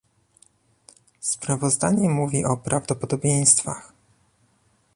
Sprawozdanie mówi o prawdopodobieństwach